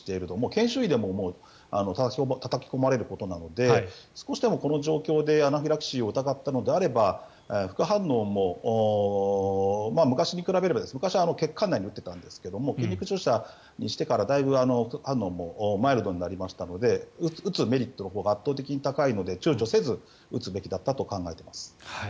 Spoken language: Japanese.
研修医でもたたき込まれることなので少しでもこの状況でアナフィラキシーを疑ったのであれば副反応も昔に比べれば昔は血管内に打っていたんですが筋肉注射にしてからだいぶ副反応もマイルドになりましたので打つメリットのほうが圧倒的に高いので躊躇せず打つべきだったと思います。